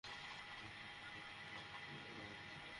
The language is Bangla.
আমি তাঁর বাবার ফোন নম্বর চাইলে তিনি তাঁর ভাইয়ের নম্বর দেন।